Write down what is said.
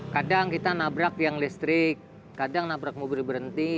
kadang kita nabrak yang listrik kadang nabrak mobil berhenti